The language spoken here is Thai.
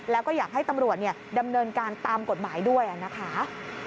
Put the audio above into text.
แล้วก็อยากให้ตำรวจดำเนินการตามกฎหมายด้วยนะคะ